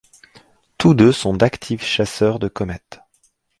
Tous deux sont d'actifs chasseurs de comètes.